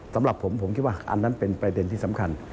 สำหรับผมผมคิดว่าอันนั้นเป็นประเด็นที่สำคัญ